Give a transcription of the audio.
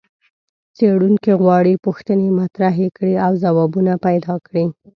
څېړونکي غواړي پوښتنې مطرحې کړي او ځوابونه پیدا کړي.